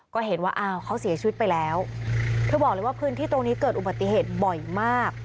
ก็เห็นว่าอ้าวเขาเสียชีวิตไปแล้วเธอบอกเลยว่าพื้นที่ตรงนี้เกิดอุบัติเหตุบ่อยมาก